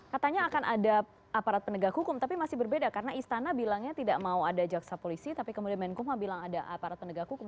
katanya akan ada aparat penegak hukum tapi masih berbeda karena istana bilangnya tidak mau ada jaksa polisi tapi kemudian menkumham bilang ada aparat penegak hukum